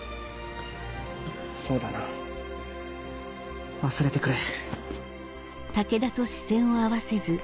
そうだな忘れてくれ。